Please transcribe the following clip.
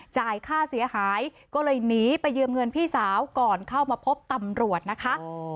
จ่ายค่าเสียหายก็เลยหนีไปยืมเงินพี่สาวก่อนเข้ามาพบตำรวจนะคะ